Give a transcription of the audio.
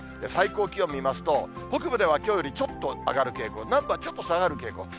最高気温見ますと、北部ではきょうよりちょっと上がる傾向、南部はちょっと下がる傾向。